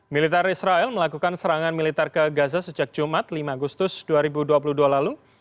militer israel melakukan serangan militer ke gaza sejak jumat lima agustus dua ribu dua puluh dua lalu